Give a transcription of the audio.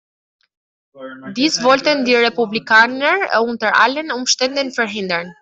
Dies wollten die Republikaner unter allen Umständen verhindern.